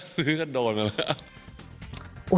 ถ้าซื้อก็โดนมาแล้ว